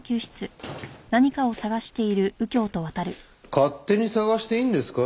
勝手に探していいんですか？